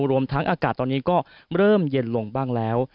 รวมทั้งอากาศตอนนี้ก็เริ่มเย็นลงบ้างแล้ว